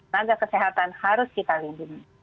tenaga kesehatan harus kita lindungi